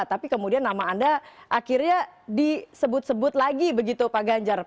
tapi kemudian nama anda akhirnya disebut sebut lagi begitu pak ganjar